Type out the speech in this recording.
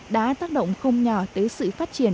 đã tác động không nhỏ tới sự phát triển